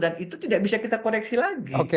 dan itu tidak bisa kita koreksi lagi